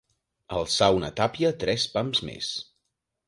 Alçar una tàpia tres pams més.